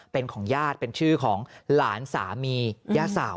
เป็นของญาติเป็นชื่อของหลานสามีย่าเสา